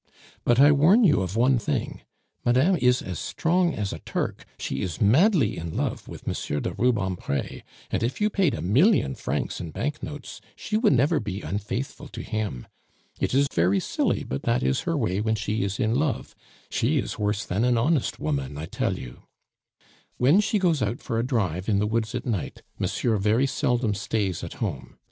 But I warn you of one thing. Madame is as strong as a Turk, she is madly in love with Monsieur de Rubempre, and if you paid a million francs in banknotes she would never be unfaithful to him. It is very silly, but that is her way when she is in love; she is worse than an honest woman, I tell you! When she goes out for a drive in the woods at night, monsieur very seldom stays at home.